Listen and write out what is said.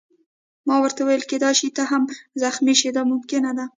ما ورته وویل: کېدای شي ته هم زخمي شې، دا ممکنه ده.